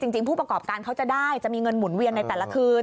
จริงผู้ประกอบการเขาจะได้จะมีเงินหมุนเวียนในแต่ละคืน